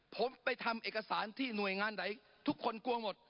ผมไปทำเอกสารที่หน่วยงานไหนทุกคนกลัวหมด